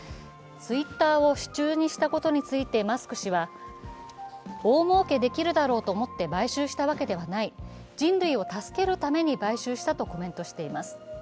Ｔｗｉｔｔｅｒを手中にしたことについてマスク氏は大もうけできるだろうと思って買収したわけではない人類を助けるために買収したとコメントしています。